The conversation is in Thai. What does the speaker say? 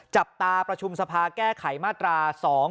จับตาประชุมสภาแก้ไขมาตรา๒๕๖